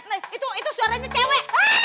eh itu suaranya cewek